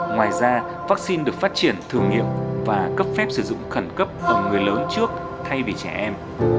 ngoài ra vắc xin được phát triển thường nghiệp và cấp phép sử dụng khẩn cấp ở người lớn trước thay vì trẻ em